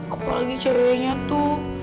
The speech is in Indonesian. apalagi ceweknya tuh